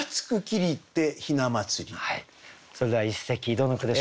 それでは一席どの句でしょうか？